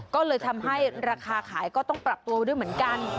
ก็เลยทำให้ราคาขายก็ต้องปรับตัวด้วยเหมือนกัน